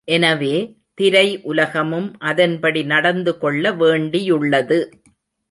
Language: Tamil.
எனவே, திரை உலகமும் அதன்படி நடந்துகொள்ள வேண்டியுள்ளது.